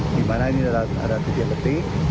di mana ini ada titik titik